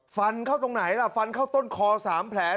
ฟันเข้าตรงไหนล่ะฟันเข้าต้นคอ๓แผล